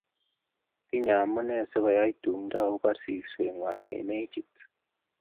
tinye amune asikoyai tumdo akobo sirseng'wany eng' mechit